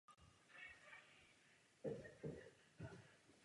Oblast spravuje Krajský úřad Libereckého kraje.